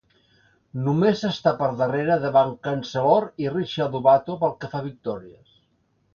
Només està per darrere de Van Chancellor i Richie Adubato pel que fa a victòries.